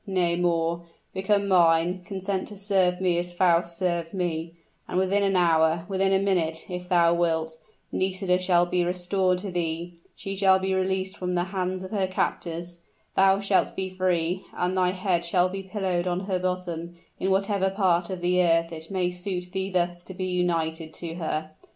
Nay, more become mine, consent to serve me as Faust served me, and within an hour, within a minute if thou wilt, Nisida shall be restored to thee, she shall be released from the hands of her captors, thou shalt be free, and thy head shall be pillowed on her bosom, in whatever part of the earth it may suit thee thus to be united to her.